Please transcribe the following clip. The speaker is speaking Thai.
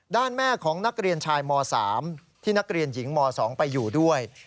แม่ของนักเรียนชายม๓ที่นักเรียนหญิงม๒ไปอยู่ด้วย